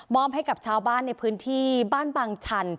ให้กับชาวบ้านในพื้นที่บ้านบางชัน